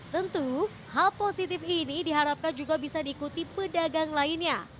tentu hal positif ini diharapkan juga bisa diikuti pedagang lainnya